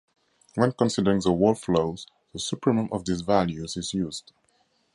When considering the whole flows, the supremum of these values is used.